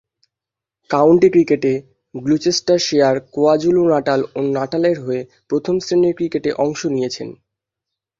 County ক্রিকেটে Gloucestershire, KwaZulu Natal ও নাটালের হয়ে প্রথম-শ্রেণীর ক্রিকেটে অংশ নিয়েছেন।